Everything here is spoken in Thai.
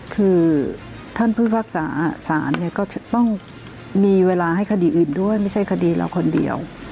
คือท่านผู้พิพากษาสารเนี่ยก็ต้องมีเวลาให้คดีอื่นด้วยไม่ใช่คดีเราคนเดียว